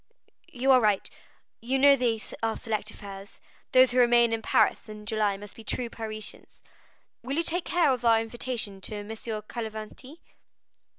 "You are right; You know they are select affairs; those who remain in Paris in July must be true Parisians. Will you take charge of our invitation to Messieurs Cavalcanti?"